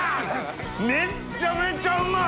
めっちゃめちゃうまい！